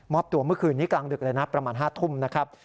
อบตัวเมื่อคืนนี้กลางดึกเลยนะประมาณ๕ทุ่มนะครับ